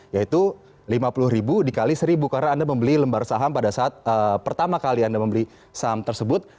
yaitu lima puluh ribu dikali seribu karena anda membeli lembar saham pada saat pertama kali anda membeli saham tersebut